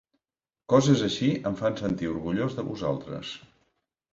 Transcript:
Coses així em fan sentir orgullós de vosaltres.